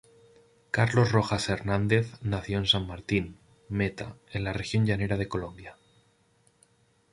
Carlos Rojas Hernández nació en San Martín, Meta, en la región llanera de Colombia.